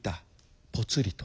ぽつりと。